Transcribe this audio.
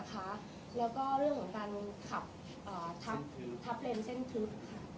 แล้วก็เรื่องของการขับทับเลนเส้นทึบ